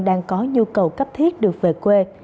đang có nhu cầu cấp thiết được về quê